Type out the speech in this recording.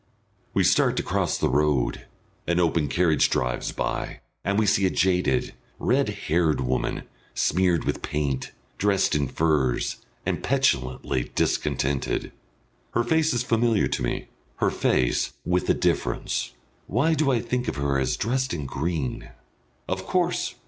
We start to cross the road. An open carriage drives by, and we see a jaded, red haired woman, smeared with paint, dressed in furs, and petulantly discontented. Her face is familiar to me, her face, with a difference. Why do I think of her as dressed in green? Of course!